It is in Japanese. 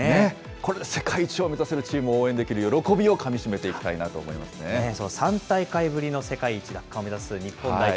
これで世界一を目指せるチームを応援できる喜びをかみしめて３大会ぶりの世界一奪還を目指す日本代表。